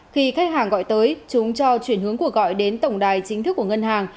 khi khách hàng gọi tới chúng cho chuyển hướng cuộc gọi đến tổng đài chính thức của ngân hàng